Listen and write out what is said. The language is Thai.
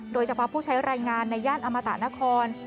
โดยเฉพาะผู้ใช้รายงานในย่านอมตะนคร